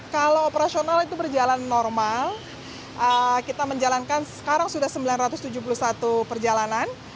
kalau operasional itu berjalan normal kita menjalankan sekarang sudah sembilan ratus tujuh puluh satu perjalanan